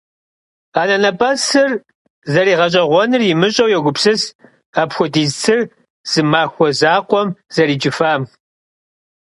Anenep'esır zeriğeş'eğuenur yimış'eu yogupsıs apxuediz tsır zı maxue zakhuem zericıfam.